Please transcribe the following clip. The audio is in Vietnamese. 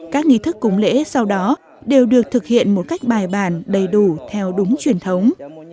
các nghi thức cúng lễ sau đó đều được thực hiện một cách bài bản đầy đủ theo đúng truyền thống